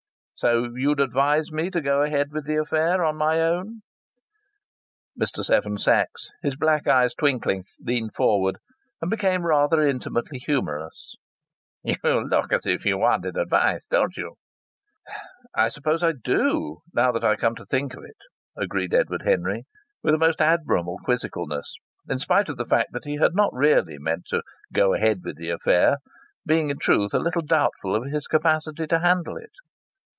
"So you'd advise me to go ahead with the affair on my own?" Mr. Seven Sachs, his black eyes twinkling, leaned forward and became rather intimately humorous: "You look as if you wanted advice, don't you?" said he. "I suppose I do now I come to think of it!" agreed Edward Henry, with a most admirable quizzicalness; in spite of the fact that he had not really meant to "go ahead with the affair," being in truth a little doubtful of his capacity to handle it.